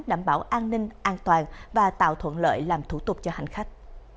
đảm bảo an ninh an toàn và tạo thuận lợi làm thủ tục cho hành khách